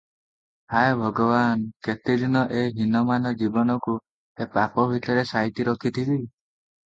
ହାୟ ଭଗବାନ୍- କେତେଦିନ ଏ ହିନମାନ ଜୀବନକୁ ଏ ପାପ ଭିତରେ ସାଇତି ରଖିଥିବ ।